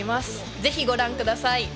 ぜひご覧ください。